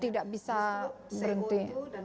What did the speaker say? tidak bisa berhenti